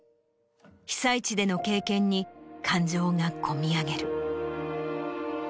被災地での経験に感情がこみ上げる。